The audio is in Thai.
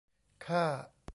ค่า